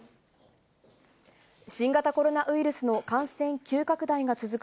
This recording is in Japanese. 新型コロナウイルスの感染急拡大が続く